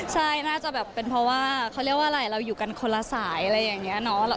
ใช่น่าจะแบบเป็นเพราะว่าเขาเรียกว่าอะไรเราอยู่กันคนละสายอะไรอย่างนี้เนาะ